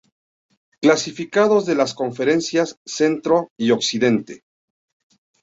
Clasificados de las conferencias Centro y Occidente.